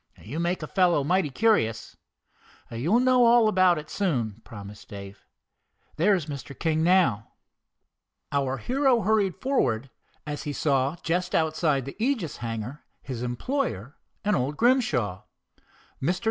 "You make a fellow mighty curious." "You will know all about it soon," promised Dave. "There is Mr. King now." Our hero hurried forward as he saw just outside the Aegis hangar his employer and old Grimshaw. Mr.